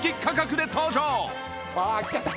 ああきちゃった。